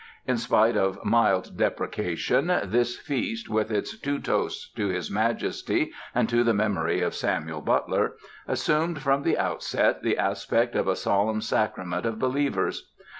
In spite of mild deprecation, this feast, with its two toasts to his Majesty and to the memory of Samuel Butler, assumed from the outset the aspect of a solemn sacrament of believers.